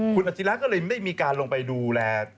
คุณอัจฉริยะก็เลยไม่มีการลงไปดูแล